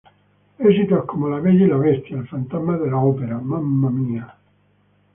Éxitos como "La bella y la bestia", "El fantasma de la ópera", "Mamma Mia!